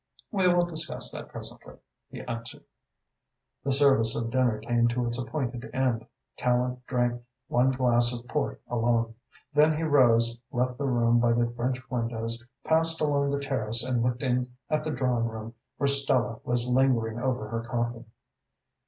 "We will discuss that presently," he answered. The service of dinner came to its appointed end. Tallente drank one glass of port alone. Then he rose, left the room by the French windows, passed along the terrace and looked in at the drawing room, where Stella was lingering over her coffee.